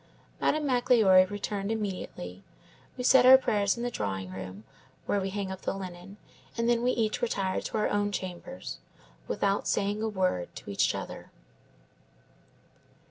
"Madame Magloire returned immediately. We said our prayers in the drawing room, where we hang up the linen, and then we each retired to our own chambers, without saying a word to each other."